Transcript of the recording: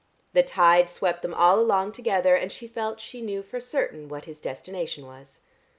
The tide swept them all along together, and she felt she knew for certain what his destination was.